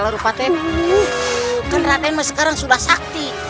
raden sekarang sudah sakti